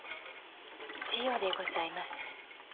千代でございます。